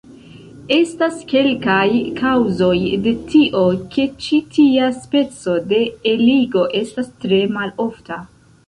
Estas kelkaj kaŭzoj de tio ke ĉi tia speco de eligo estas tre malofta.